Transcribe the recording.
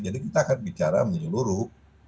jadi kita akan bicara menyeluruh